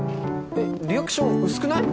えっリアクション薄くない？